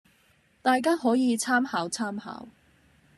大家可以參考參考